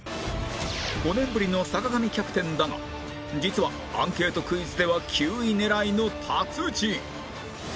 ５年ぶりの坂上キャプテンだが実はアンケートクイズでは９位狙いの達人